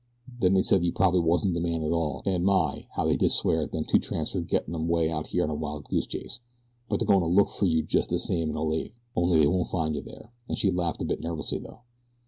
Then they said you prob'ly wasn't the man at all, an' my! how they did swear at them two tramps fer gettin' 'em way out here on a wild goose chase; but they're goin' to look fer you jes' the same in Olathe, only they won't find you there," and she laughed, a bit nervously though.